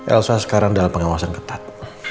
elsa sekarang dalam pengawasan ketat